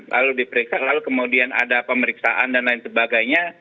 lalu diperiksa lalu kemudian ada pemeriksaan dan lain sebagainya